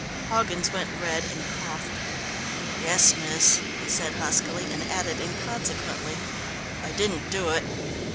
Hoggins went red and coughed. "Yes, miss," he said huskily and added inconsequently, "I didn't do it!"